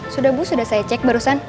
sudah bu sudah saya cek barusan